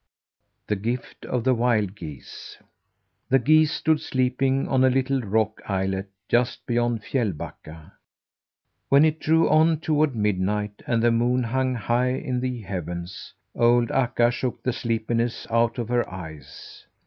THE GIFT OF THE WILD GEESE The geese stood sleeping on a little rock islet just beyond Fjällbacka. When it drew on toward midnight, and the moon hung high in the heavens, old Akka shook the sleepiness out of her eyes.